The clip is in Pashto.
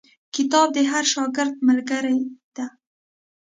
کتابچه د هر شاګرد ملګرې ده